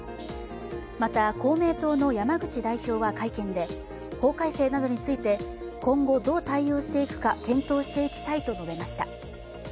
また、公明党の山口代表は会見で法改正などについて今後どう対応していくか検討していきたいと述べました。